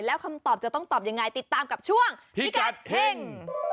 แล้วคำตอบจะต้องตอบยังไงติดตามกับช่วงพิกัดเฮ่ง